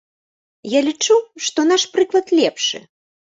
Я лічу, што наш прыклад лепшы.